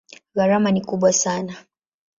Gharama ni kubwa sana.